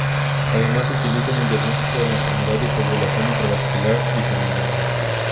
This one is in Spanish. Además, se utiliza en el diagnóstico de la enfermedad de coagulación intravascular diseminada.